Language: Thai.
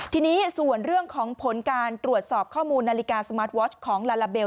ทีนี้ส่วนเรื่องของผลการตรวจสอบข้อมูลนาฬิกาสมาร์ทวอชของลาลาเบล